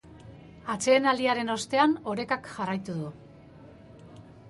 Atsedenaldiaren ostean orekak jarraitu du.